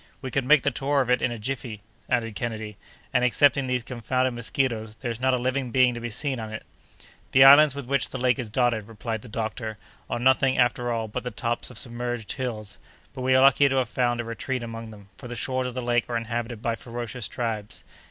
"We could make the tour of it in a jiffy," added Kennedy, "and, excepting these confounded mosquitoes, there's not a living being to be seen on it." "The islands with which the lake is dotted," replied the doctor, "are nothing, after all, but the tops of submerged hills; but we are lucky to have found a retreat among them, for the shores of the lake are inhabited by ferocious tribes.